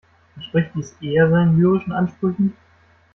Entspricht dies eher seinen lyrischen Ansprüchen?